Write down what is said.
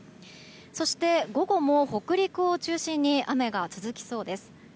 そして、午後も北陸を中心に雨が続きそうです。